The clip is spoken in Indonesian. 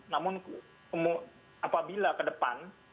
namun apabila kedepan